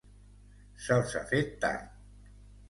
Se'ls ha fet tard.